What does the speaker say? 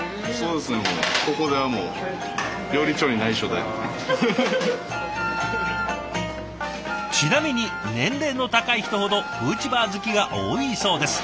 ここではちなみに年齢の高い人ほどフーチバー好きが多いそうです。